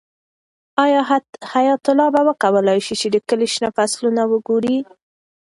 آیا حیات الله به بیا وکولی شي چې د کلي شنه فصلونه وګوري؟